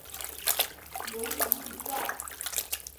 有子李撰。